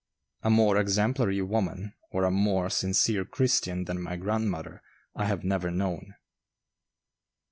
A more exemplary woman, or a more sincere Christian than my grandmother, I have never known.